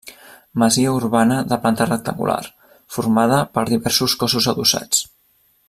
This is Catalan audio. Masia urbana de planta rectangular, formada per diversos cossos adossats.